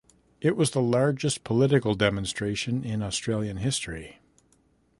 It was the largest political demonstration in Australian history.